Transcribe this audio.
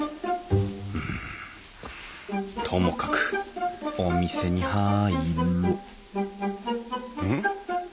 うんともかくお店に入ろうん？